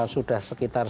sudah sekitar lima